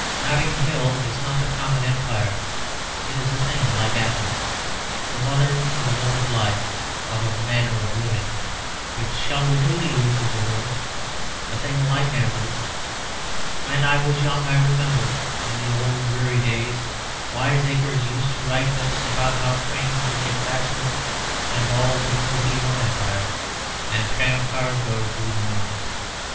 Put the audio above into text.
Notting Hill is not a common empire; it is a thing like Athens, the mother of a mode of life, of a manner of living, which shall renew the youth of the world a thing like Nazareth. When I was young I remember, in the old dreary days, wiseacres used to write books about how trains would get faster, and all the world be one empire, and tram cars go to the moon.